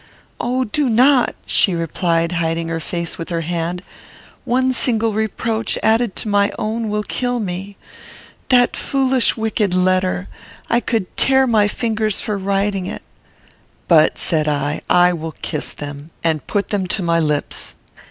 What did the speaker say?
"Oh, do not," she replied, hiding her face with her hand. "One single reproach, added to my own, will kill me. That foolish, wicked letter I could tear my fingers for writing it." "But," said I, "I will kiss them;" and put them to my lips.